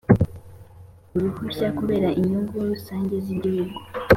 uruhushya kubera inyungu rusange z igihugu